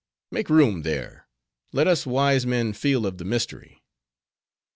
make room there; let us wise men feel of the mystery.